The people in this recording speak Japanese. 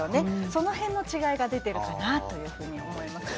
その辺の違いが出ているんじゃないかなと思います。